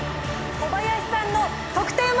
小林さんの得点は？